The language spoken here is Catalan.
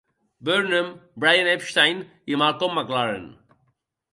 Barnum, Brian Epstein i Malcolm McLaren.